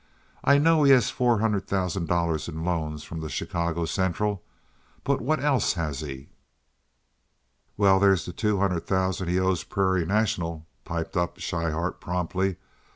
I know he has four hundred thousand dollars in loans from the Chicago Central; but what else has he?" "Well, there's the two hundred thousand he owes the Prairie National," piped up Schrybart, promptly.